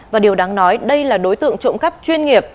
và điều đáng nói đây là đối tượng trộm cắp chuyên nghiệp